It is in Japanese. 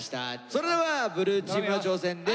それではブルーチームの挑戦です。